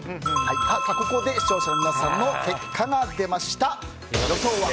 ここで視聴者の皆さんの結果が出ました。